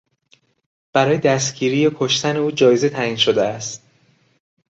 برای دستگیری یا کشتن او جایزه تعیین شده است.